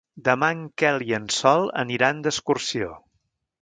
Demà en Quel i en Sol aniran d'excursió.